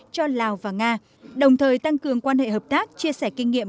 cho lào và nga đồng thời tăng cường quan hệ hợp tác chia sẻ kinh nghiệm